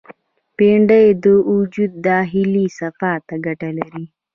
بېنډۍ د وجود داخلي صفا ته ګټه لري